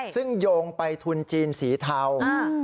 ซึ่งโยงไปทุนจีนสีเทา